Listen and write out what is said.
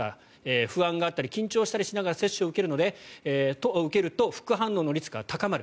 不安があったり緊張しながら接種を受けると副反応のリスクが高まる。